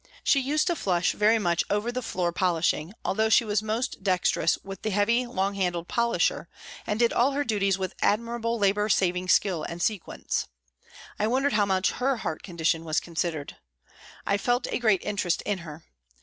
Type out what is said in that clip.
She used to flush very much over the floor polishing, although she was most dexterous with the heavy, long handled polisher, and did all her duties with admir able labour saving skill and sequence. I wondered how much her heart condition was considered. I felt a great interest in her.